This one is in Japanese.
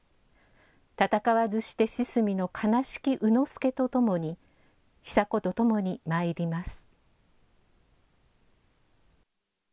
戦わずして死す身の悲しき卯之助と共に久子と共に参ります。